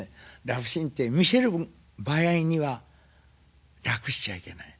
ラブシーンって見せる場合には楽しちゃいけない。